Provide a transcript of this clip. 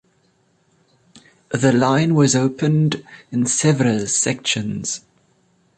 The line was opened in several sections.